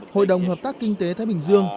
hội đồng hợp tác kinh tế thái bình dương